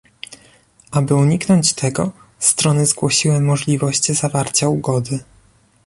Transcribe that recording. Aby uniknąć tego, strony zgłosiły możliwość zawarcia ugody